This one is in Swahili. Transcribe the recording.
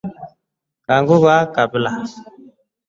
Kuanguka ghafla